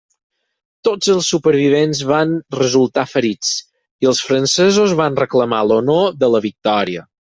Tots els supervivents van resultar ferits, i els francesos van reclamar l'honor de la victòria.